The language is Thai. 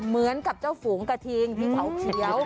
เหมือนกับเจ้าฝูงกระทิงที่เขาเขียว